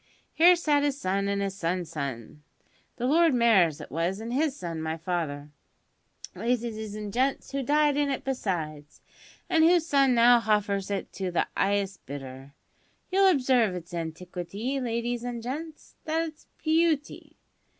Here sat his son, and his son's son the Lord Mayor as was and his son, my father, ladies and gents, who died in it besides, and whose son now hoffers it to the 'ighest bidder. You'll observe its antiquity, ladies an' gents. That's its beauty.